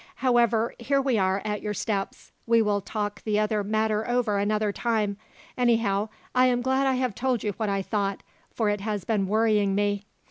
"However, here we are at your steps. We will talk the other matter over another time. Anyhow, I am glad I have told you what I thought, for it has been worrying me.